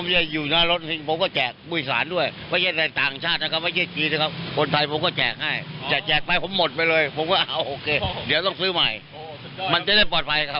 เดี๋ยวต้องซื้อใหม่มันจะได้ปลอดภัยครับ